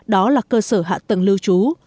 đó là cơ sở hạ tầng lưu trú